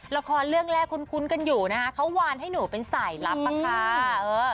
ละครเรื่องแรกคุ้นกันอยู่นะคะเขาวานให้หนูเป็นสายลับอะค่ะ